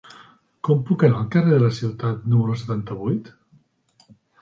Com puc anar al carrer de la Ciutat número setanta-vuit?